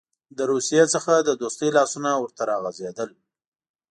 له روسیې څخه د دوستۍ لاسونه ورته راغځېدل.